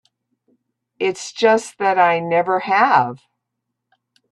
It's just that I never have.